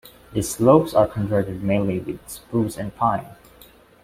The slopes are covered mainly with spruce and pine.